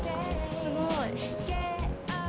すごい。